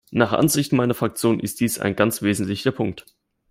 Nach Ansicht meiner Fraktion ist dies ein ganz wesentlicher Punkt.